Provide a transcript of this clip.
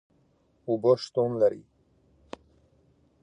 اوبه شتون لري